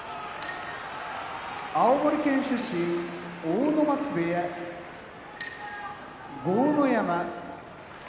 青森県出身阿武松部屋豪ノ山